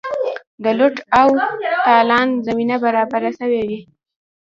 د لوټ او تالان زمینه برابره سوې وي.